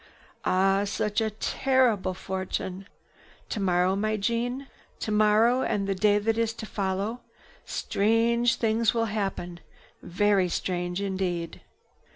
Ah, such a terrible fortune! Tomorrow, my Jeanne, tomorrow and the day that is to follow, strange things will happen, very strange indeed."